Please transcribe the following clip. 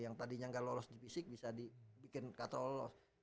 yang tadinya enggak lolos di fisik bisa dibikin katrol